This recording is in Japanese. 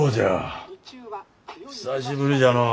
久しぶりじゃのう。